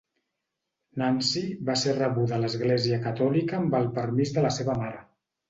Nancy va ser rebuda a l'Església Catòlica amb el permís de la seva mare.